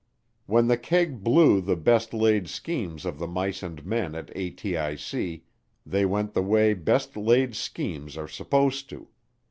When the keg blew the best laid schemes of the mice and men at ATIC, they went the way best laid schemes are supposed to.